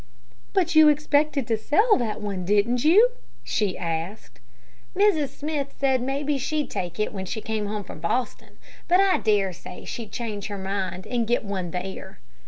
"But you expected to sell that one, didn't you?" she asked. "Mrs. Smith said maybe she'd take it when she came home from Boston, but I dare say she'd change her mind and get one there."